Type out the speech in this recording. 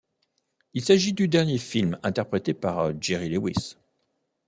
Il s'agit du dernier film interprété par Jerry Lewis.